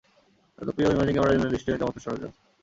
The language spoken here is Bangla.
তাপীয় ইমেজিং ক্যামেরা নাইট দৃষ্টি জন্য একটি চমৎকার সরঞ্জাম।